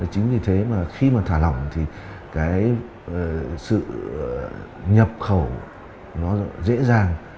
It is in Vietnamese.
chính vì thế mà khi mà thả lỏng thì cái sự nhập khẩu nó dễ dàng